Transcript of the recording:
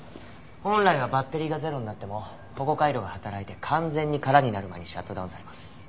本来はバッテリーがゼロになっても保護回路が働いて完全に空になる前にシャットダウンされます。